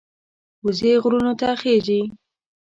وزې غرونو ته خېژي